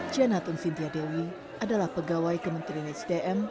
janatun sintia dewi adalah pegawai kementerian sdm